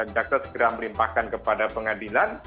jaksa segera melimpahkan kepada pengadilan